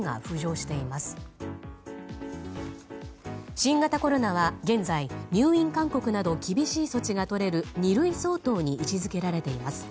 新型コロナは現在、入院勧告など厳しい措置がとれる二類相当に位置付けられています。